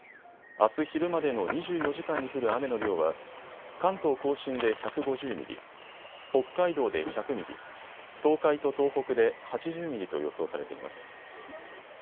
あす昼までの２４時間に降る雨の量は関東甲信で１５０ミリ、北海道で１００ミリ、東海と東北で８０ミリと予想されています。